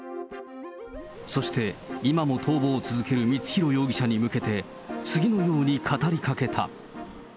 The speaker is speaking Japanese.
そして、今も逃亡を続ける光弘容疑者に向けて、次のように語りかけた。